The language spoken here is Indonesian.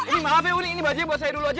ini maaf ya uni ini bajanya buat saya dulu aja